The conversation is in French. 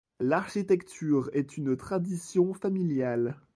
L'architecture est une tradition familiale.